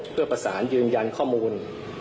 เพื่อประสานยืนยันข้อมูล